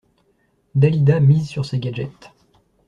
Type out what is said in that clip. Dalida mise sur ces gadgets.